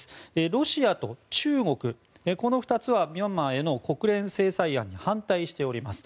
ロシアと中国、この２つはミャンマーへの国連制裁案に反対しています。